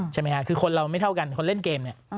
ใช่ไหมคะคือคนเราไม่เท่ากันคนเล่นเกมเนี่ย